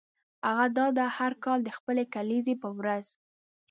هغه دا ده هر کال د خپلې کلیزې په ورځ.